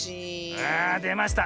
あでました。